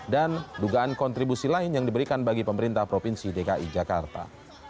dan dugaan kontribusi lain yang diberikan bagi pemerintah provinsi dki jakarta